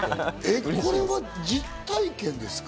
これは実体験ですか？